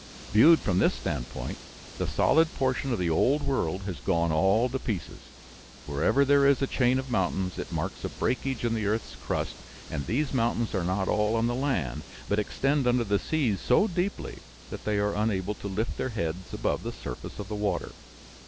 Viewed from this standpoint, the solid portion of the old world has gone all to pieces. Wherever there is a chain of mountains it marks a breakage in the earth's crust, and these mountains are not all on the land, but extend under the seas so deeply that they are unable to lift their heads above the surface of the water.